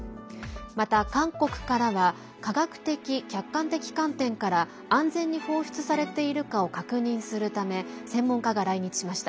また、韓国からは科学的・客観的観点から安全に放出されているかを確認するため専門家が来日しました。